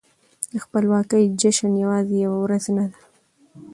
د خپلواکۍ جشن يوازې يوه ورځ نه ده.